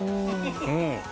うん。